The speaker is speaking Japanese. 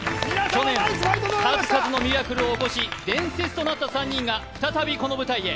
去年、数々のミラクルを起こし伝説となった３人が再びこの舞台へ。